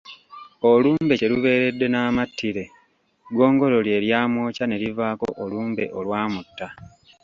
Olumbe kye lubeeredde n'amattire, ggongolo lye lyamwokya ne livaako olumbe olwamutta.